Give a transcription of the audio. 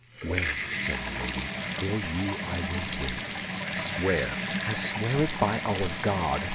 "Well," said Milady, "for you I will wait." "Swear." "I swear it, by our God.